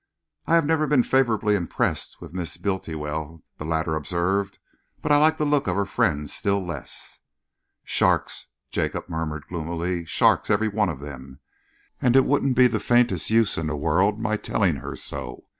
"I have never been favourably impressed with Miss Bultiwell," the latter observed, "but I like the look of her friends still less." "Sharks," Jacob murmured gloomily, "sharks, every one of them, and it wouldn't be the faintest use in the world my telling her so."